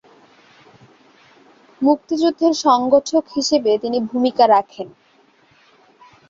মুক্তিযুদ্ধের সংগঠক হিসেবে তিনি ভূমিকা রাখেন।